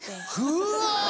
うわ！